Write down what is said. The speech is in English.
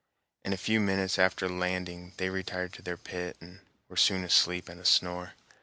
In a few minutes after landing they retired to their pit and were soon asleep and asnore.